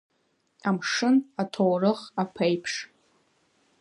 Амшын, аҭоурых, аԥеиԥш…